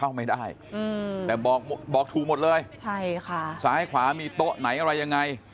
เข้าไม่ได้อืมแต่บอกบอกถูกหมดเลยใช่ค่ะซ้ายขวามีโต๊ะไหนอะไรยังไง